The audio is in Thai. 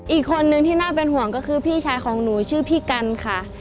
อีกคนนึงที่น่าเป็นห่วงก็คือพี่ชายของหนูชื่อพี่กันค่ะ